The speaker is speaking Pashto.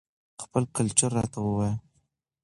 خپل کلچر راته وايى